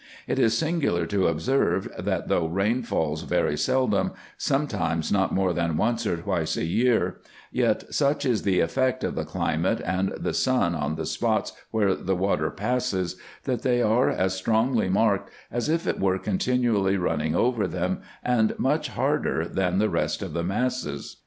It is singular to observe, that though rain falls very seldom, perhaps not more than once or twice a year, yet such is the effect of the climate and the sun on the spots where the water passes, that they are as strongly marked, as if it were continually running over them, and much harder than the rest of the masses.